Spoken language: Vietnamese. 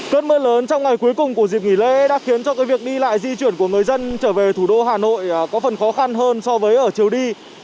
cơn mưa lớn trong ngày cuối cùng của dịp nghỉ lễ đã khiến cho việc đi lại di chuyển của người dân trở về thủ đô hà nội có phần khó khăn hơn so với ở chiều đi